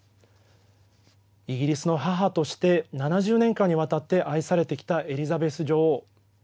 イギリスの母として、７０年間にわたって愛されてきたエリザベス女王。